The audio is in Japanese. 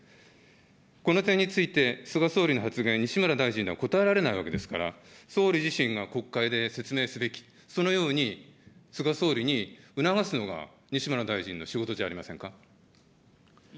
この点について、菅総理の発言、西村大臣では答えられないわけですから、総理自身が国会で説明すべき、そのように菅総理に促すのが、西村大臣。